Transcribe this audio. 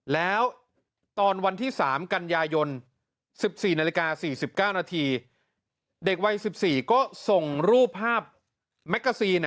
แล้วตอนวันที่๓กันยายน๑๔นาฬิกา๔๙นาทีเด็กวัย๑๔ก็ส่งรูปภาพแมกกาซีน